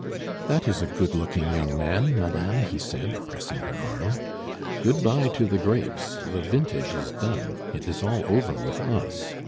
"That is a good looking young man, madame," he said, pressing her arm. "Good by to the grapes, the vintage is done. It is all over with us.